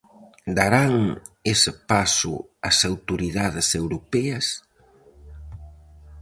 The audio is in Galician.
Darán ese paso as autoridades europeas?